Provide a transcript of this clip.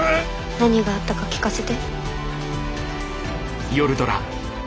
何があったか聞かせて。